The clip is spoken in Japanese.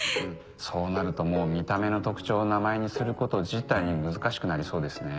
そうなるともう見た目の特徴を名前にすること自体難しくなりそうですね。